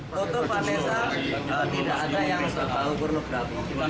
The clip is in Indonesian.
foto vanessa tidak ada yang sebalik pornografi